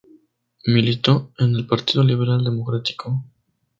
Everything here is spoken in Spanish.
Militó en el Partido Liberal Democrático.